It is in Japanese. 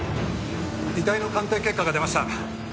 遺体の鑑定結果が出ました。